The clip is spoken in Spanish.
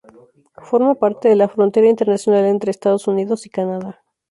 Forma parte de la frontera internacional entre Estados Unidos y Canadá.